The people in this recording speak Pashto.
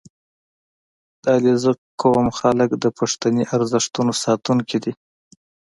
• د علیزي قوم خلک د پښتني ارزښتونو ساتونکي دي.